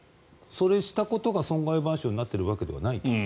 それをしたことが損害賠償になっているわけではないと。